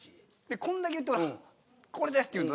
これだけ言って「これです」って言うの？